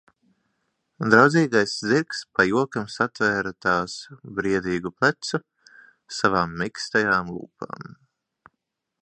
Draudzīgais zirgs pa jokam satvēra tās briedīgo plecu savām mīkstajām lūpām.